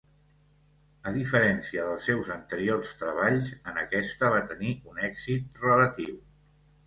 A diferència dels seus anteriors treballs, en aquesta va tenir un èxit relatiu.